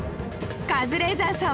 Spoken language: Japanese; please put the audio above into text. カズレーザーさん